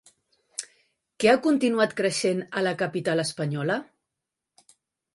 Què ha continuat creixent a la capital espanyola?